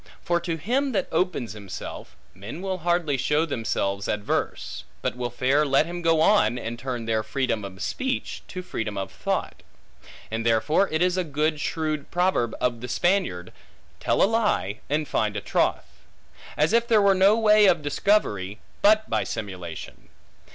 For to him that opens himself, men will hardly show themselves adverse; but will fair let him go on, and turn their freedom of speech, to freedom of thought. And therefore it is a good shrewd proverb of the Spaniard, Tell a lie and find a troth. As if there were no way of discovery, but by simulation.